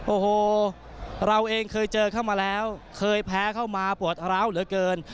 โอ้โหเราเองเคยเจอเข้ามาแล้วเคยแพ้เข้ามาปวดร้าวเหลือเกิน